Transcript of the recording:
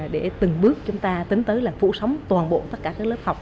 để từng bước chúng ta tính tới là phụ sống toàn bộ tất cả các lớp học